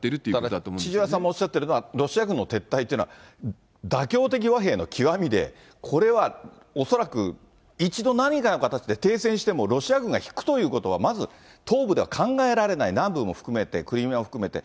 だから千々和さんもおっしゃってるのは、ロシア軍の撤退というのは、妥協的和平の極みで、これは恐らく、一度何かの形で停戦しても、ロシア軍が引くということは、まず東部では考えられない、南部も含めて、クリミアも含めて。